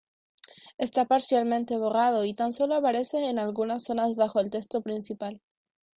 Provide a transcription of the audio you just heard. Está parcialmente borrado y tan solo aparece en algunas zonas bajo el texto principal.